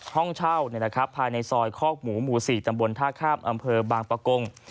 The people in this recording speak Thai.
ห้องเช่าเนี่ยแหละครับภายในซอยข้อกหมูหมู่๔จำบลท่าข้ามอำเภอบางปากง